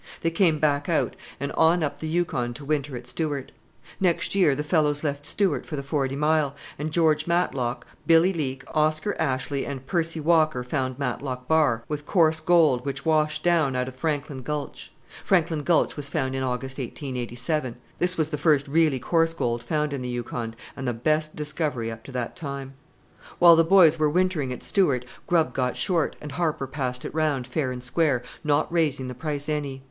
They came back out, and on up the Yukon to winter at Stewart. Next year the fellows left Stewart for the Forty Mile, and George Matlock, Billy Leak, Oscar Ashley, and Percy Walker found Matlock Bar, with coarse gold, which washed down out of Franklin Gulch. Franklin Gulch was found in August, 1887. This was the first really coarse gold found in the Yukon, and the best discovery up to that time. "While the boys were wintering at Stewart grub got short, and Harper passed it round, fair and square not raising the price any.